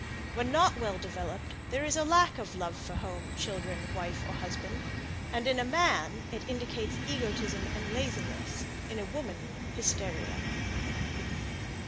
When not well developed there is a lack of love for home, children, wife or husband; and in a man, it indicates egotism and laziness, in a woman, hysteria.